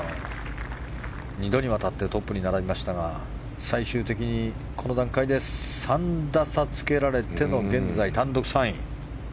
２度にわたってトップに並びましたが最終的に、この段階で３打差つけられての現在、単独３位。